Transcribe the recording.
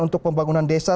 untuk pembangunan desa